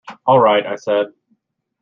“All right,” I said.